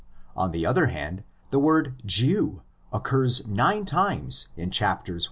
On the other hand, the word "" Jew'"' occurs nine times in 66. 1.